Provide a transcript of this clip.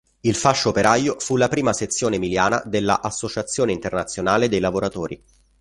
Il Fascio Operaio fu la prima sezione emiliana della Associazione internazionale dei lavoratori.